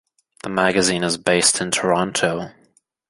The magazine is based in Toronto.